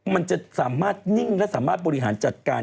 มันจะสามารถนิ่งและสามารถบริหารจัดการ